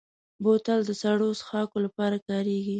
بوتل د سړو څښاکو لپاره کارېږي.